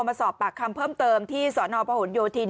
มาสอบปากคำเพิ่มเติมที่สนพหนโยธิน